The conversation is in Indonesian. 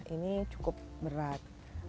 ini cukup berat